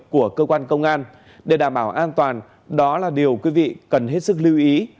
của cơ quan công an để đảm bảo an toàn đó là điều quý vị cần hết sức lưu ý